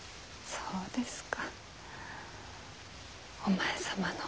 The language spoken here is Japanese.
そうですか。